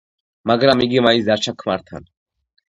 მაგრამ იგი მაინც დარჩა ქმართან.